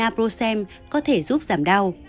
ibuprofen có thể giúp giảm đau